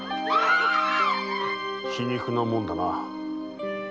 皮肉なもんだな。